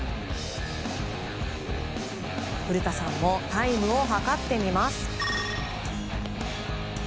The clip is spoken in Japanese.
古田さんもタイムを計ってみます。